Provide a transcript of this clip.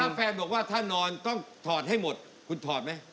ถ้าแฟนบอกว่าถ้านอนต้องถอดให้หมดคุณถอดไหม